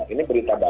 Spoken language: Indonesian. ini berita baik